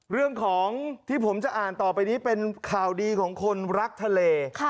เรื่องของที่ผมจะอ่านต่อไปนี้เป็นข่าวดีของคนรักทะเล